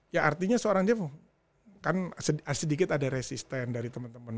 ya artinya seorang jeff kan sedikit ada resisten dari temen temen